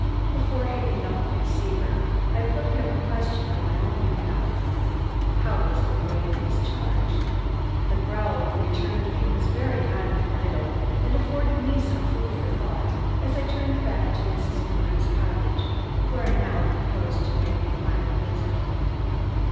Before hanging up the receiver, I put him a question on my own behalf. How was the boy in his charge? The growl he returned me was very non committal, and afforded me some food for thought as I turned back to Mrs. Carew's cottage, where I now proposed to make a final visit.